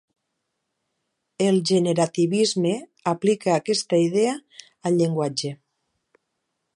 El generativisme aplica aquesta idea al llenguatge.